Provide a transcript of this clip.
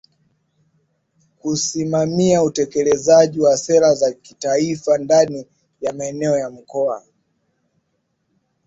kusimamia utekelezaji wa sera za Kitaifa ndani ya eneo la Mkoa